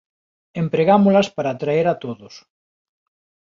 Empregámolas para traer a todos.